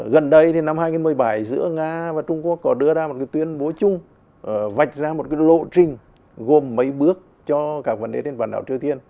gần đây thì năm hai nghìn một mươi bảy giữa nga và trung quốc có đưa ra một cái tuyên bố chung vạch ra một lộ trình gồm mấy bước cho các vấn đề trên bản đảo triều tiên